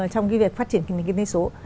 trong việc phát triển nền kinh tế số